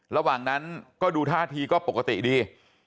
ระหว่างนั้นก็ดูท่าทีก็ปกติดี